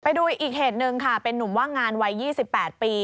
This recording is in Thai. ไปดูอีกเหตุหนึ่งค่ะเป็นนุ่มว่างงานวัย๒๘ปี